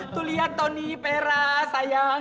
tuh lihat tony pera saya